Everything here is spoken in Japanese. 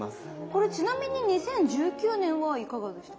これちなみに２０１９年はいかがでしたか？